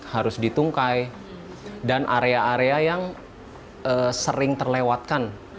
harus ditungkai dan area area yang sering terlewatkan